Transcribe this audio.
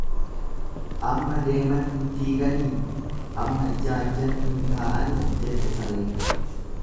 Amma deeman hin fiiganii amma ijaajjan hin taa'anii jette sareen.